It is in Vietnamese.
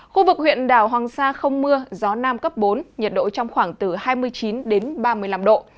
khu vực huyện đảo hoàng sa không mưa gió nam cấp bốn nhiệt độ trong khoảng từ hai mươi chín đến ba mươi năm độ